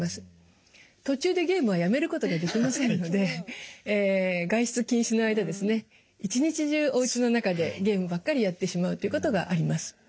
途中でゲームはやめることができませんので外出禁止の間ですね一日中おうちの中でゲームばっかりやってしまうということがあります。